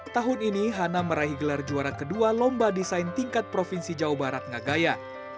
tahun ini hana meraih gelar juara kedua lomba desain tingkat provinsi jawa barat ngagaya